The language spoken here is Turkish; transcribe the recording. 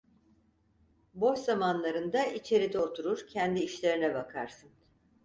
Boş zamanlarında içeride oturur, kendi işlerine bakarsın…